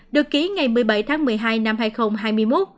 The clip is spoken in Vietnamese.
được ký ngày một mươi bảy tháng một mươi hai năm hai nghìn hai mươi một